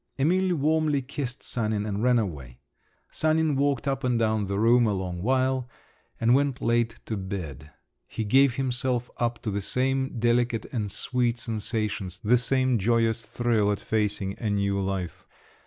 Emil warmly kissed Sanin, and ran away. Sanin walked up and down the room a long while, and went late to bed. He gave himself up to the same delicate and sweet sensations, the same joyous thrill at facing a new life.